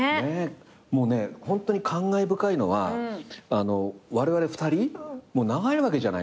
もうねホントに感慨深いのはわれわれ２人もう長いわけじゃないですか。